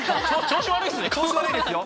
調子悪いですよ。